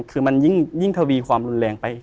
คือมันยิ่งทวีความรุนแรงไป